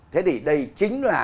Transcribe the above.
thế thì đây chính là